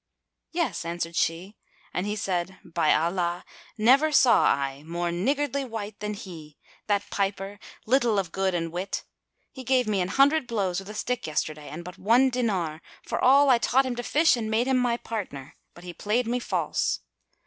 "Yes," answered she; and he said, "By Allah, never saw I more niggardly wight than he, that piper little of good and wit! He gave me an hundred blows with a stick yesterday and but one dinar, for all I taught him to fish and made him my partner; but he played me false."